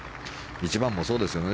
１番もそうですよね。